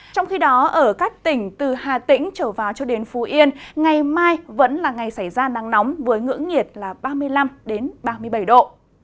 trong khi đó ở các tỉnh từ hà tĩnh trở vào cho đến phú yên ngày mai vẫn là ngày xảy ra nắng nóng với ngưỡng nhiệt là ba mươi năm ba mươi bảy độ